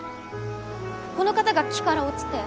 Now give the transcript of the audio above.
この方が木から落ちて。